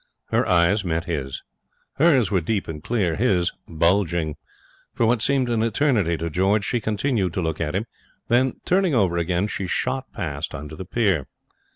Her eyes met his. Hers were deep and clear; his, bulging. For what seemed an eternity to George, she continued to look at him. Then, turning over again, she shot past under the pier.